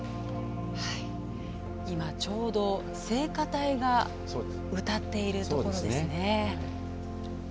今、ちょうど聖歌隊が歌っているところですね。